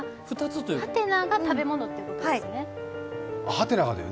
「？」が食べ物ということですね。